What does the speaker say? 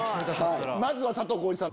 まずは佐藤浩市さん